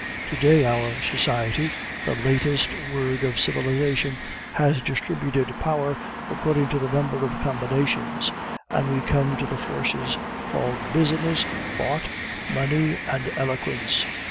To day our society, the latest word of civilization, has distributed power according to the number of combinations, and we come to the forces called business, thought, money, and eloquence.